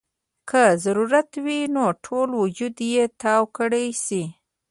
کۀ ضرورت وي نو ټول وجود دې تاو کړے شي -